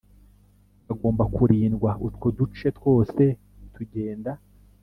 kagomba kurindwa utwo duce twose tugenda